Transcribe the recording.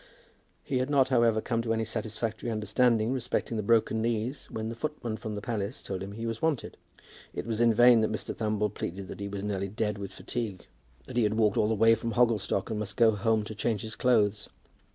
He had not, however, come to any satisfactory understanding respecting the broken knees when the footman from the palace told him he was wanted. It was in vain that Mr. Thumble pleaded that he was nearly dead with fatigue, that he had walked all the way from Hogglestock and must go home to change his clothes.